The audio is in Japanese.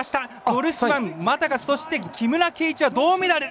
ドルスマンマタカスそして木村敬一は銅メダル。